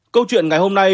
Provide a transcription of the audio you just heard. câu chuyện ngày hôm nay